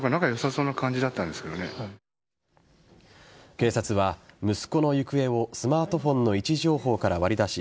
警察は息子の行方をスマートフォンの位置情報から割り出し